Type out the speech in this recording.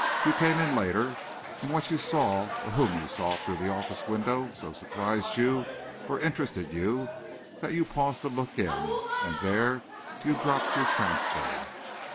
You came in later, and what you saw, or whom you saw through the office window so surprised you, or interested you, that you paused to look in, and there you dropped your transfer."